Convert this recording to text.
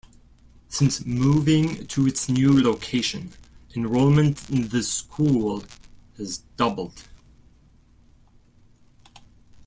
Since moving to its new location, enrolment in the school has doubled.